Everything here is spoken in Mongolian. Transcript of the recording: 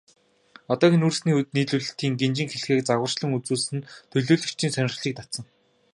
Одоогийн нүүрсний нийлүүлэлтийн гинжин хэлхээг загварчлан үзүүлсэн нь төлөөлөгчдийн сонирхлыг татсан.